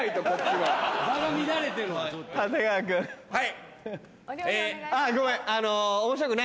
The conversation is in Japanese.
はい。